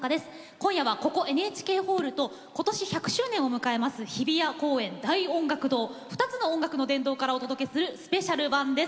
今夜は、ここＮＨＫホールと今年１００周年を迎える日比谷公園大音楽堂２つの音楽の殿堂からお届けするスペシャル版です。